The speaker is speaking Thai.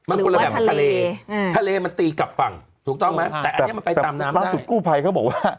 อันนี้ก็คือตรงนี้นะครับ